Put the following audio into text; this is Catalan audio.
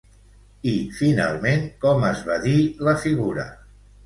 I finalment com es va dir la figura?